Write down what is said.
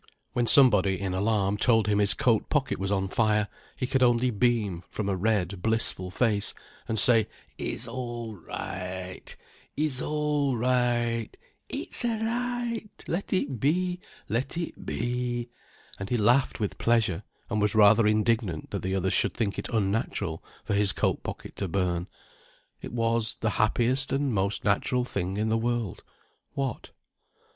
When somebody in alarm told him his coat pocket was on fire, he could only beam from a red, blissful face and say "Iss all ri ight—iss al' ri ight—it's a' right—let it be, let it be——" and he laughed with pleasure, and was rather indignant that the others should think it unnatural for his coat pocket to burn:—it was the happiest and most natural thing in the world—what?